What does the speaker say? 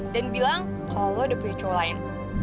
dan bilang kalau lo udah punya cowok lain